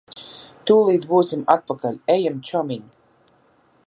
Tūlīt būsim atpakaļ. Ejam, čomiņ.